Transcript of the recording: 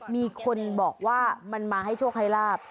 มีคนบอกว่ามันมาให้โชคให้ลาบ